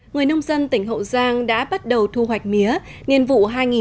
người nông dân tỉnh hậu giang đã bắt đầu thu hoạch mía nhiệm vụ hai nghìn một mươi tám hai nghìn một mươi chín